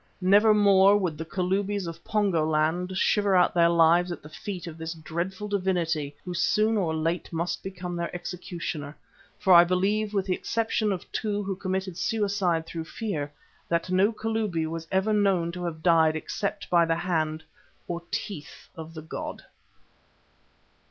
Never more would the Kalubis of Pongo land shiver out their lives at the feet of this dreadful divinity who soon or late must become their executioner, for I believe, with the exception of two who committed suicide through fear, that no Kalubi was ever known to have died except by the hand or teeth of the god.